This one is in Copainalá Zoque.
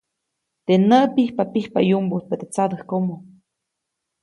Teʼ näʼ pijpapijpa yumbujtpa teʼ tsadäjkomo.